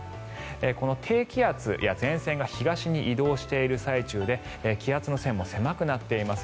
この低気圧や前線が東に移動している最中で気圧の線も狭くなっています。